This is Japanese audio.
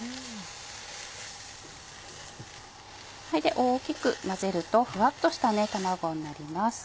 大きく混ぜるとフワっとした卵になります。